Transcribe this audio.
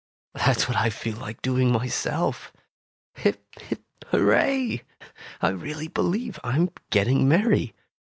That's what I feel like doing myself. Hip, hip, hurrah! I really believe I 'm getting merry.